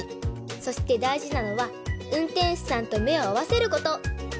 そしてだいじなのはうんてんしゅさんとめをあわせること！